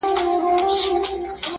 هسي نه راڅخه ورکه سي دا لاره؛